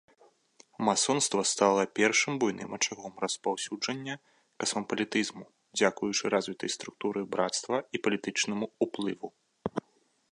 Масонства стала першым буйным ачагом распаўсюджання касмапалітызму дзякуючы развітай структуры брацтва і палітычнаму ўплыву.